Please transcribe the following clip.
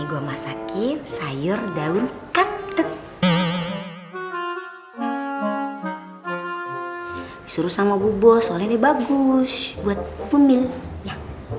habisin ya pinter mirna